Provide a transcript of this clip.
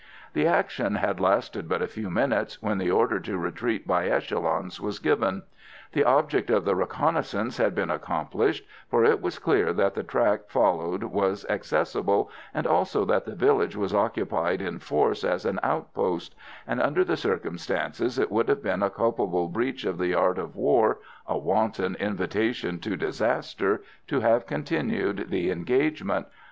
The action had lasted but a few minutes when the order to retreat by echelons was given. The object of the reconnaissance had been accomplished, for it was clear that the track followed was accessible, and also that the village was occupied in force as an outpost; and under the circumstances it would have been a culpable breach of the art of war, a wanton invitation to disaster, to have continued the engagement.